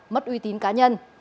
mất uy tín cá nhân